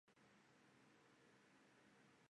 何军的丈夫是中国国家女子篮球队教练许利民。